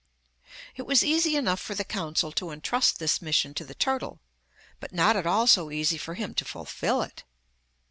It was easy enough for the council to entrust this mission to the turtle, but not at all so easy for him to fulfil it.